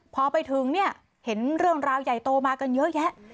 พอไปถึงเนี่ยเห็นเรื่องราวใหญ่โตมากันเยอะแยะ